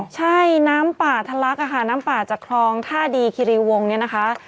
ใช่น้ำป่าทะลักค่ะน้ำป่าจากคลองท่าดีคิริวงศ์เนี่ยนะคะ